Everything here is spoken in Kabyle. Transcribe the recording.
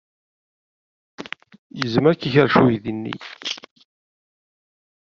Yezmer ad k-ikerrec uydi-nni.